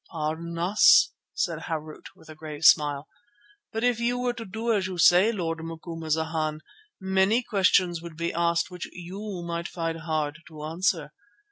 "Pardon us," said Harût with a grave smile, "but if you were to do as you say, Lord Macumazana, many questions would be asked which you might find it hard to answer.